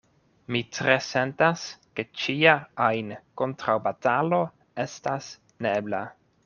Mi tre sentas, ke ĉia ajn kontraŭbatalo estas neebla.